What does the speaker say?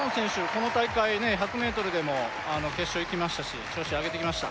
この大会ね１００ｍでも決勝行きましたし調子を上げてきました